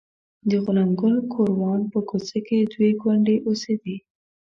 د غلام ګل ګوروان په کوڅه کې دوې کونډې اوسېدې.